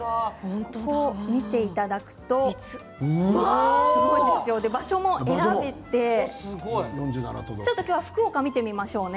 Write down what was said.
ここを見ていただくと場所も選べて今日は福岡、見てみましょうね。